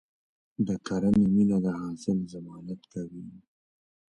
د کرنې مینه د حاصل ضمانت کوي.